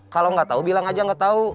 kalo gak tau bilang aja gak tau